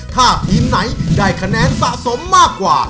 ถ้าทีมไหนได้คะแนนสะสมมากกว่า